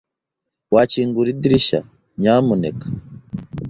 Wakingura idirishya, nyamuneka?